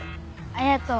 ありがとう。